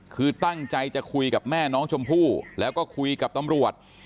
คือตั้งใจจะคุยกับแม่น้องชมพู่แล้วก็คุยกับตำรวจ